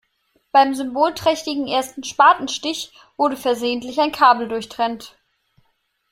Beim symbolträchtigen ersten Spatenstich wurde versehentlich ein Kabel durchtrennt.